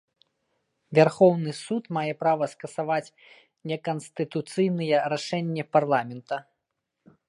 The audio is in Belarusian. Вярхоўны суд мае права скасаваць неканстытуцыйныя рашэнні парламента.